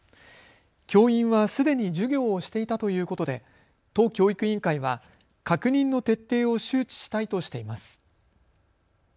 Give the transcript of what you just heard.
教員はすでに授業をしていたということで都教育委員会は確認の徹底を周知したいとしています。